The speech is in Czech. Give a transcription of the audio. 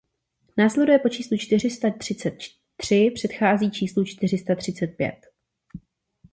Následuje po číslu čtyři sta třicet tři a předchází číslu čtyři sta třicet pět.